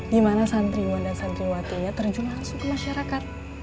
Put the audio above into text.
dimana santriwan dan santriwatinya terjun langsung ke masyarakat